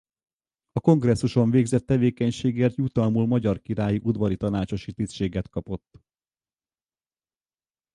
A kongresszuson végzett tevékenységéért jutalmul magyar királyi udvari tanácsosi tisztséget kapott.